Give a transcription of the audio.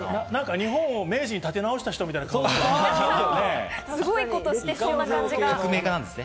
日本を明治に立て直した人み革命家なんですね。